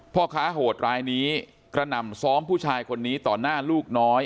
พ่อค้าโหดรายนี้กระหน่ำซ้อมผู้ชายคนนี้ต่อหน้าลูกน้อย